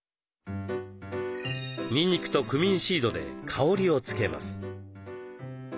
にんにくとクミンシードで香りを付けます。